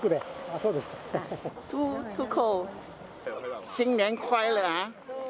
そうですか。